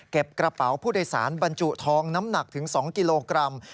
กระเป๋าผู้โดยสารบรรจุทองน้ำหนักถึง๒กิโลกรัม